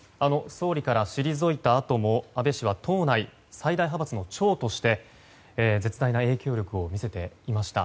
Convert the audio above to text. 総理から退いたあとも安倍氏は党内最大派閥の長として、絶大な影響力を見せました。